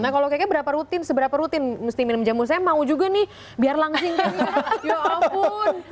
nah kalau keke berapa rutin seberapa rutin mesti minum jamu saya mau juga nih biar langsing kan ya ampun